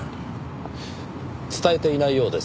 伝えていないようですね。